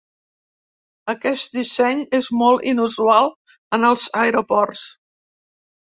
Aquest disseny és molt inusual en els aeroports.